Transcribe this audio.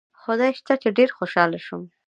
خدای شته چې ډېر خوشاله شوم.